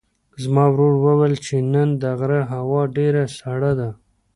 زما ورور وویل چې نن د غره هوا ډېره سړه ده.